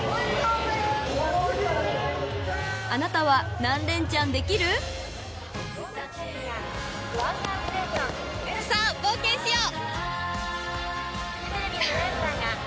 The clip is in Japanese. ［あなたは何レンチャンできる？］さあ冒険しよう。